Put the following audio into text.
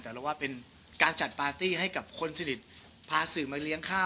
แต่เราว่าเป็นการจัดปาร์ตี้ให้กับคนสนิทพาสื่อมาเลี้ยงข้าว